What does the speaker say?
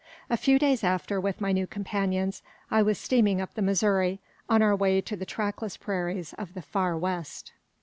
A few days after, with my new companions, I was steaming up the Missouri, on our way to the trackless prairies of the "Far West."